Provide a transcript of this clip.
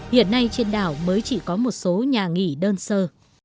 hiện nay trên đảo mới chỉ có một số nhà nghỉ đơn sơ